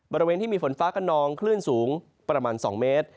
บริเวณที่มีฝนฟ้ากระนองคลื่นสูงประมาณ๒เมตร